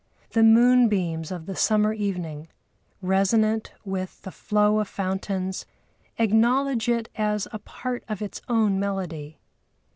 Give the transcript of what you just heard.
The moonbeams of the summer evening, resonant with the flow of fountains, acknowledge it as a part of its own melody.